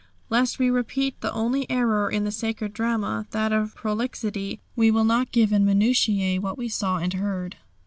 Lest we repeat the only error in the sacred drama, that of prolixity, we will not give in minutiæ what we saw and heard.